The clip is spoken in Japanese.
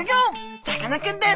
さかなクンです。